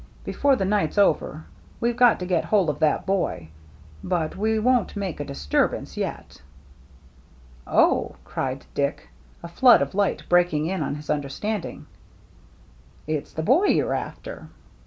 Before the night's over we've got to get hold of that boy, but we won't make a disturbance yet." " Oh," cried Dick, a flood of light breaking in on his understanding, " it's the boy you're after."